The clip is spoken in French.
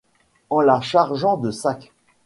en la chargeant de sacs.